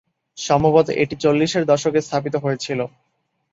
সম্ভবত এটি চল্লিশের দশকে স্থাপিত হয়েছিল।